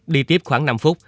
đi tiếp khoảng năm phút